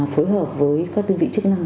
phối hợp với các tư vị chức năng